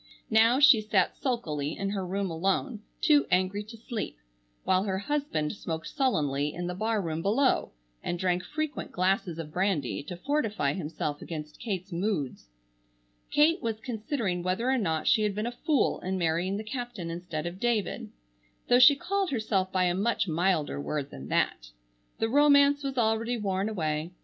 Now she sat sulkily in her room alone, too angry to sleep; while her husband smoked sullenly in the barroom below, and drank frequent glasses of brandy to fortify himself against Kate's moods. Kate was considering whether or not she had been a fool in marrying the captain instead of David, though she called herself by a much milder word than that. The romance was already worn away.